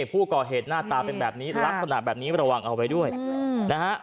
ผู้ก่อเหตุหน้าตาเป็นแบบนี้ลักษณะแบบนี้ระวังเอาไว้ด้วยนะฮะ